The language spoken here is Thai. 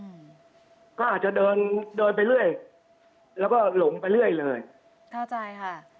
อืมก็อาจจะเดินเดินไปเรื่อยแล้วก็หลงไปเรื่อยเลยเข้าใจค่ะ